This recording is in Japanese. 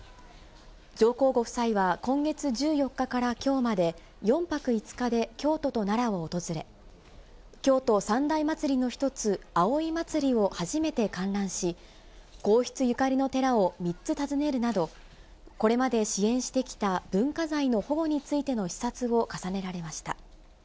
上皇ご夫妻は今月１４日からきょうまで４泊５日で京都と奈良を訪れ、京都三大祭りの一つ、葵祭を初めて観覧し、皇室ゆかりの寺を３つ訪ねるなど、これまで支援してきた文化財の保護についての視察を重ねられました。